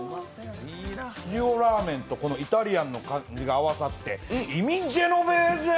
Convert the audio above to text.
塩ラーメンとイタリアンの感じが合わさって、いみジェノベーゼ！